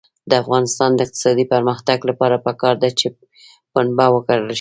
د افغانستان د اقتصادي پرمختګ لپاره پکار ده چې پنبه وکرل شي.